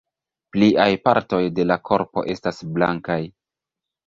Pliaj partoj de la korpo estas blankaj.